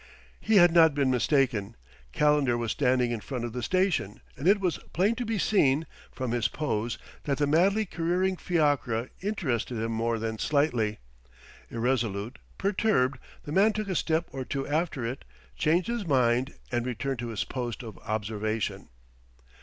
He had not been mistaken. Calendar was standing in front of the station; and it was plain to be seen, from his pose, that the madly careering fiacre interested him more than slightly. Irresolute, perturbed, the man took a step or two after it, changed his mind, and returned to his post of observation.